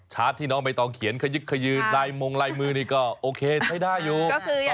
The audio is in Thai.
ที่น้องใบตองเขียนขยึกขยืนลายมงลายมือนี่ก็โอเคใช้ได้อยู่